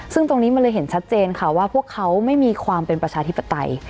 ซึ่งตรงนี้มันเลยเห็นชัดเจนค่ะว่าพวกเขาไม่มีความเป็นประชาธิปไตย